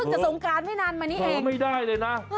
เอ่อพึ่งจะสงการไม่นานมานี้เองพร้อมไม่ได้เลยนะ